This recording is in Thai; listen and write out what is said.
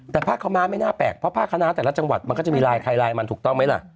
แต่ผ้าขม้าไม่น่าแปลกเพราะผ้าคณะแต่ละจังหวัดมันก็จะมีลายใครลายมันถูกต้องไหมล่ะ